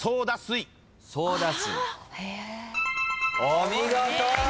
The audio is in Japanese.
お見事！